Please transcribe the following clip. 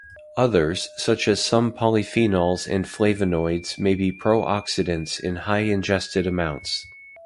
Others, such as some polyphenols and flavonoids, may be pro-oxidants in high ingested amounts.